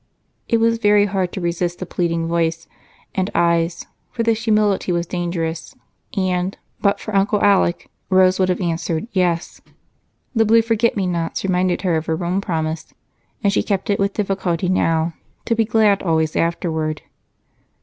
It was very hard to resist the pleading voice and eyes, for this humility was dangerous; and, but for Uncle Alec, Rose would have answered "yes." The blue forget me nots reminded her of her own promise, and she kept it with difficulty now, to be glad always afterward.